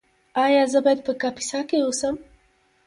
ایا زه باید په کاپیسا کې اوسم؟